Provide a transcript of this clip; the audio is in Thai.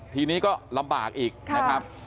ทีนี้ก็ลำบากอีกนะครับ